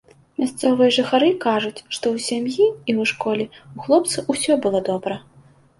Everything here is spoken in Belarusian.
Мясцовыя жыхары кажуць, што ў сям'і і ў школе ў хлопца ўсё было добра.